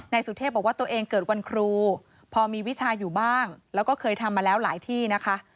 สุเทพบอกว่าตัวเองเกิดวันครูพอมีวิชาอยู่บ้างแล้วก็เคยทำมาแล้วหลายที่นะคะ